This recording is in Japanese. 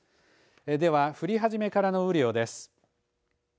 では降り始めからの雨量です。